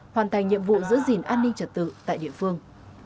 hoàn thành nhiệm vụ giữ gìn an ninh trật tự tại địa phương